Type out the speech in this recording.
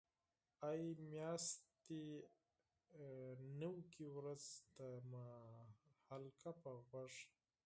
ای میاشتې نوې وریځ ته مې حلقه په غوږ.